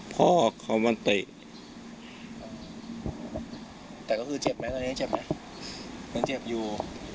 พ่อของมันเตะแต่ก็คือเจ็บไหมตอนนี้ยังเจ็บไหมมันเจ็บอยู่